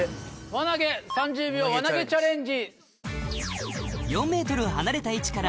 輪投げ３０秒輪投げチャレンジ。